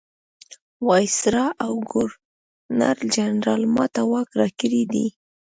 وایسرا او ګورنرجنرال ما ته واک راکړی دی.